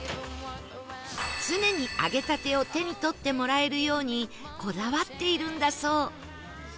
常に揚げたてを手に取ってもらえるようにこだわっているんだそう